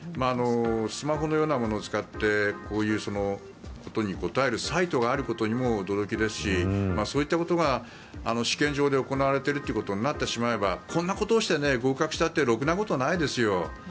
スマホのようなものを使ってこういうことに答えるサイトがあることにも驚きですしそういったことが試験場で行われているということになってしまえばこんなことをして合格したってろくなことないですよ。